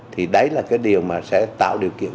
thì đấy là cái điều mà sẽ tạo điều kiện